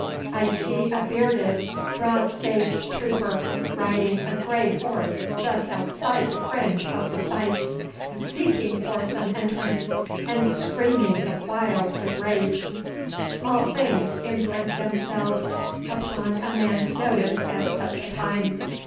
I see a bearded, broad faced trooper riding a grey horse just outside the fringe of the scythes, seeking for some entrance, and screaming the while with rage. Small things imprint themselves upon a man's notice at such a time.